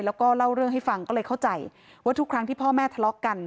แล้วก็เล่าเรื่องให้ฟังก็เลยเข้าใจว่าทุกครั้งที่พ่อแม่ทะเลาะกัน